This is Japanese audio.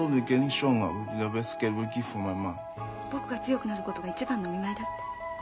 僕が強くなることが一番のお見舞いだって。